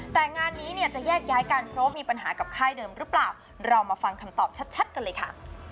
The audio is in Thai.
แต่งานนี้เนี่ยจะแยกย้ายกันเพราะว่ามีปัญหากับค่ายเดิมหรือเปล่าเรามาฟังคำตอบชัดกันเลยค่ะ